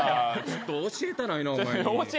教えたないな、お前に。